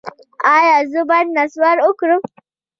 ایا زه باید نسوار وکړم؟